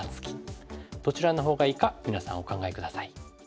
どちらのほうがいいか皆さんお考え下さい。